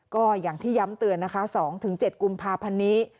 ก็อย่างที่ย้ำเตือนนะคะ๒๗กุมภาพันธ์นี้